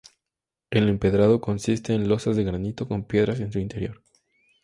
El empedrado consiste en losas de granito con piedras en su interior.